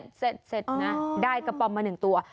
โอ้โหเสร็จนะได้กระป๋อมมาหนึ่งตัว